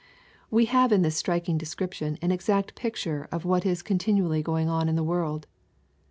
''/ We have in this striking description, an exact picture / of what is continually going on in the world.